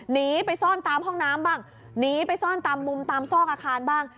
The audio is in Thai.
หนีไปซ่อนตามห้องน้ำบ้างหนีไปซ่อนตามมุมตามซอกอาคารบ้าง